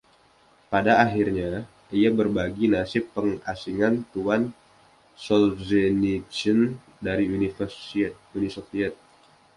Pada akhirnya, ia berbagi nasib pengasingan Tn. Solzhenitsyn dari Uni Soviet.